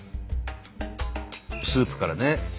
スープからね。